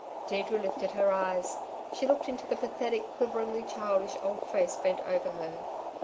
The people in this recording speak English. Deirdre lifted her eyes. She looked into the pathetic quiveringly childish, old face bent over her.